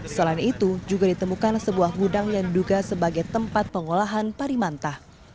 selain itu juga ditemukan sebuah gudang yang diduga sebagai tempat pengolahan parimanta